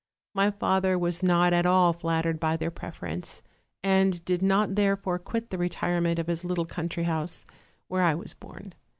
My father was not at all flattered by their preference, and did not therefore quit the retirement of his little country house, where I was born.